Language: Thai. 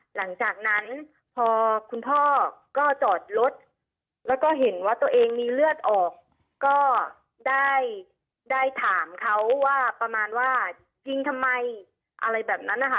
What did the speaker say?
หลังจากนั้นพอคุณพ่อก็จอดรถแล้วก็เห็นว่าตัวเองมีเลือดออกก็ได้ได้ถามเขาว่าประมาณว่ายิงทำไมอะไรแบบนั้นนะคะ